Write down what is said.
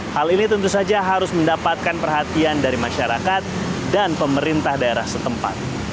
hal ini tentu saja harus mendapatkan perhatian dari masyarakat dan pemerintah daerah setempat